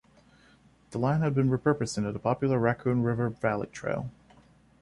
The line has been repurposed into the popular Raccoon River Valley Trail.